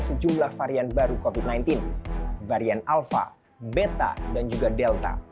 sejumlah varian baru covid sembilan belas varian alpha beta dan juga delta